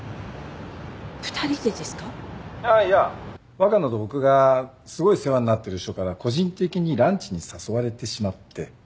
若菜と僕がすごい世話になってる人から個人的にランチに誘われてしまって。